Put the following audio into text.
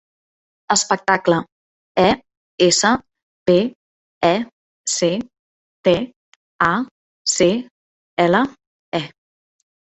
Espectacle: e, essa, pe, e, ce, te, a, ce, ela, e.